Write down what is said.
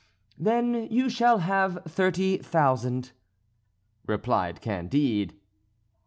"Then you shall have thirty thousand," replied Candide.